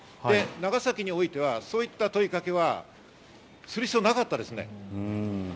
長崎においてはそういった問いかけはする必要なかったですね。